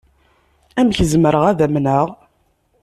Amek zemreɣ ad amneɣ?